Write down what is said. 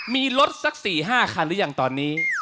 มีรถสัก๔๕คันหรือยังตอนนี้